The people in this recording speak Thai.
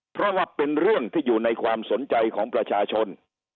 เพราะว่าเป็นเรื่องที่อยู่ในความสนใจของประชาชน